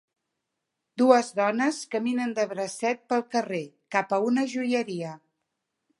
Dues dones caminen de bracet pel carrer cap a una joieria